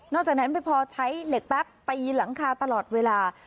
จากนั้นไม่พอใช้เหล็กแป๊บตีหลังคาตลอดเวลา